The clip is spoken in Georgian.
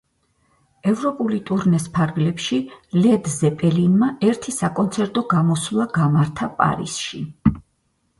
ევროპული ტურნეს ფარგლებში ლედ ზეპელინმა ერთი საკონცერტო გამოსვლა გამართა პარიზში.